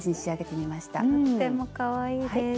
とってもかわいいです。